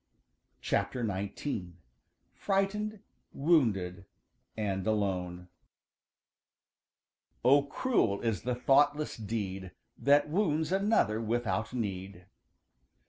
XIX. FRIGHTENED, WOUNDED AND ALONE ````Oh, cruel is the thoughtless deed ````That wounds another without need.